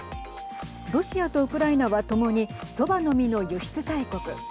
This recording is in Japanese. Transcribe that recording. ロシアとウクライナは、ともにそばの実の輸出大国。